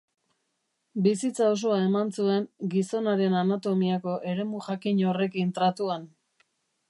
Bizitza osoa eman zuen gizonaren anatomiako eremu jakin horrekin tratuan.